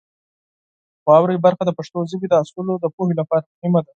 واورئ برخه د پښتو ژبې د اصولو د پوهې لپاره مهمه ده.